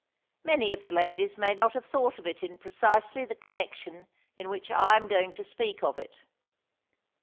Many of the ladies may not have thought of it in precisely the connection in which I am going to speak of it.